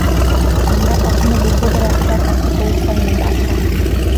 আমরা কখনো বিপদের এতটা কাছে পৌঁছাইনি, বাছা।